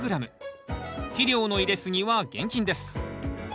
肥料の入れすぎは厳禁です。